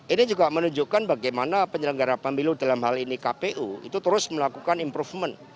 ini juga menunjukkan bagaimana penyelenggara pemilu dalam hal ini kpu itu terus melakukan improvement